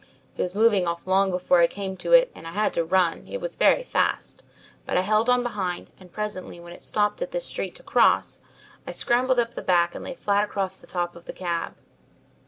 "It was moving off long before I came to it, and I had to run; it was very fast. But I held on behind, and presently when it stopped at this street to cross, I scrambled up the back and lay flat upon the top of the cab.